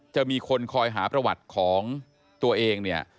จะมีคนคอยหาประวัติของตัวเองเนี่ย